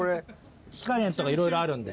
火加減とかいろいろあるんで。